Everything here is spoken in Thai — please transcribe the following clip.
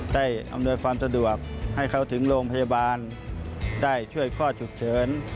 อำนวยความสะดวกให้เขาถึงโรงพยาบาลได้ช่วยข้อฉุกเฉิน